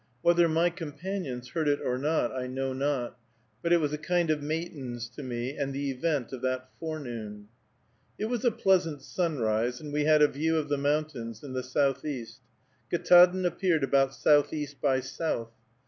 Whether my companions heard it or not, I know not, but it was a kind of matins to me, and the event of that forenoon. It was a pleasant sunrise, and we had a view of the mountains in the southeast. Ktaadn appeared about southeast by south.